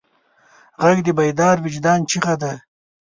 غږ د بیدار وجدان چیغه ده